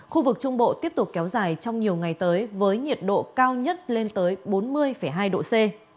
khu vực trung bộ tiếp tục kéo dài trong nhiều ngày tới với nhiệt độ cao nhất lên tới bốn mươi hai độ c